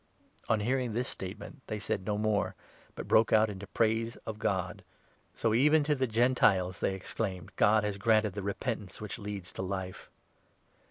" On hearing this statement, they said no more, but broke out 18 into praise of God. "So even to the Gentiles," they ex claimed, "God has granted the repentance which leads to Life